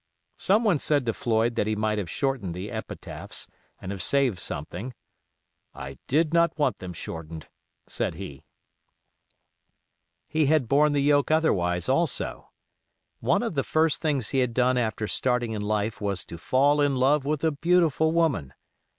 Some one said to Floyd that he might have shortened the epitaphs, and have saved something. "I did not want them shortened," said he. He had borne the yoke otherwise also. One of the first things he had done after starting in life was to fall in love with a beautiful woman.